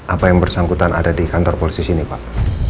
apa yang bersangkutan ada di kantor polisi sini pak